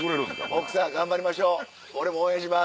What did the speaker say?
奥さん頑張りましょう俺も応援します。